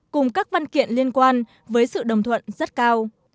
cùng các văn kiện liên quan với sự đồng thuận rất cao